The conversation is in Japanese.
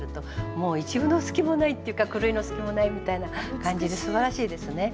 もう一分のすきもないっていうか狂いのすきもないみたいな感じですばらしいですね。